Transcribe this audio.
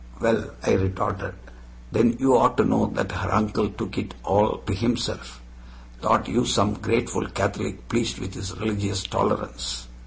"Well," I retorted, "then you ought to know that her uncle took it all to himself thought you some grateful Catholic pleased with his religious tolerance."